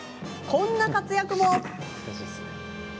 こんな活躍も。